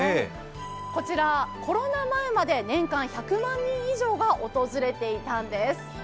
こちら、コロナ前まで年間１００万人以上が訪れていたんです。